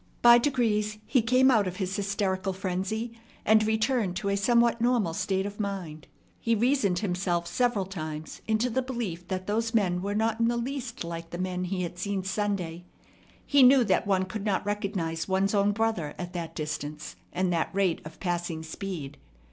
By degrees he came out of his hysterical frenzy, and returned to a somewhat normal state of mind. He reasoned himself several times into the belief that those men were not in the least like the men he had seen Sunday. He knew that one could not recognize one's own brother at that distance and that rate of passing speed.